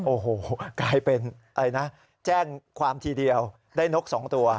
โอ้โหกลายเป็นอะไรนะแจ้งความทีเดียวได้นก๒ตัว